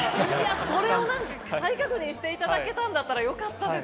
それを再確認していただけたんならよかったです。